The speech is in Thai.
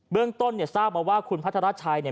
เรื่องต้นเนี่ยทราบมาว่าคุณพัทรชัยเนี่ย